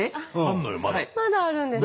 まだあるんです。